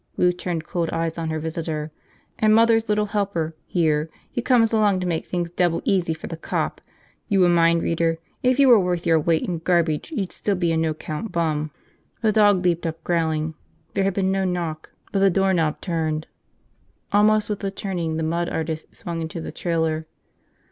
Lou turned cold eyes on her visitor. "And mother's little helper, here, he comes along to make things double easy for the cop. You a mind reader? If you were worth your weight in garbage you'd still be a no count bum!" The dog leaped up, growling. There had been no knock but the doorknob turned. Almost with the turning the mud artist swung into the trailer.